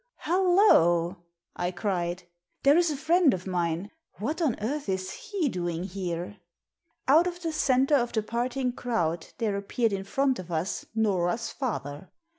"Hollo!" I cried. "There is a friend of mine. What on earth is he doing here?" Out of the centre of the parting crowd there appeared in front of us Nora's father.